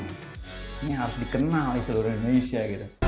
ini harus dikenal di seluruh indonesia gitu